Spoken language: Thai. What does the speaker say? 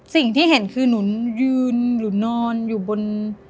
สิ่งที่เห็นคือหนูยืนหรือนอนอยู่บน